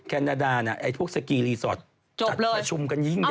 แคนดาพวกสกีรีสอร์ทจัดประชุมกันยิ่งใหญ่